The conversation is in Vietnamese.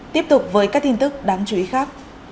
tiếp tục với các tin tức đáng chú ý khác